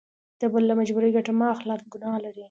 د بل له مجبوري ګټه مه اخله ګنا لري.